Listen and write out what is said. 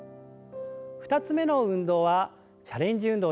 ２つ目の運動はチャレンジ運動です。